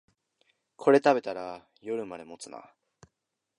これ食べたら夜まで持つな